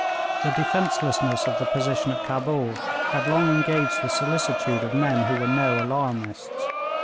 ] The defencelessness of the position at Cabul had long engaged the solicitude of men who were no alarmists.